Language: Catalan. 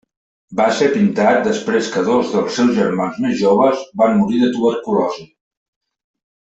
Va ser pintat després que dos dels seus germans més joves van morir de tuberculosi.